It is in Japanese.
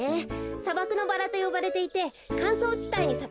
さばくのバラとよばれていてかんそうちたいにさく。